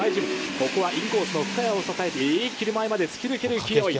トップはインコースの深谷を捉えて、一気に前まで突き抜ける勢い。